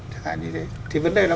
thì vấn đề nó